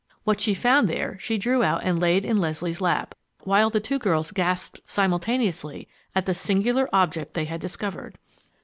What she found there she drew out and laid in Leslie's lap, while the two girls gasped simultaneously at the singular object they had discovered.